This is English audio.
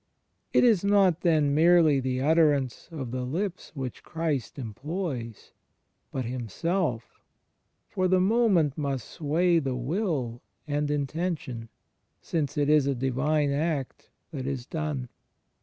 It is not then merely the utterance of the Ups which Christ em ploys, but Himself for the moment must sway the Will and Intention; since it is a Divine Act that is done.